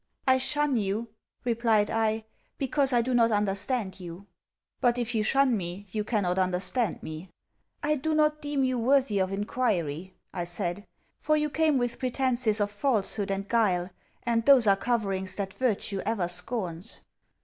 'I shun you,' replied I, 'because I do not understand you.' 'But, if you shun me, you cannot understand me.' 'I do not deem you worthy of enquiry,' I said; 'for you came with pretences of falsehood and guile, and those are coverings that virtue ever scorns.'